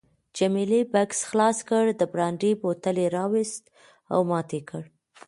جميله بکس خلاص کړ، د برانډي بوتل یې راوایست او ماته یې راکړ.